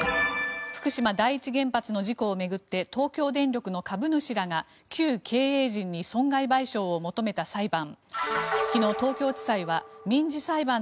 福島第一原発の事故を巡って東京電力の株主らが旧経営陣に損害賠償を求めた裁判。